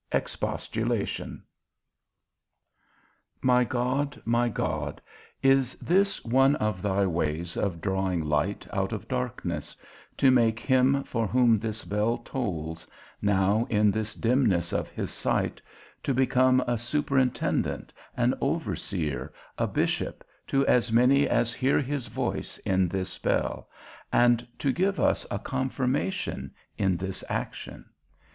XVII. EXPOSTULATION. My God, my God, is this one of thy ways of drawing light out of darkness, to make him for whom this bell tolls, now in this dimness of his sight, to become a superintendent, an overseer, a bishop, to as many as hear his voice in this bell, and to give us a confirmation in this action?